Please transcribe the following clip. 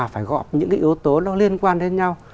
phải góp những yếu tố liên quan đến nhau